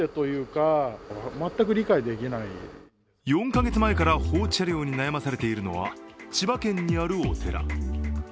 ４カ月前から放置車両に悩まされているのは、千葉県にあるお寺。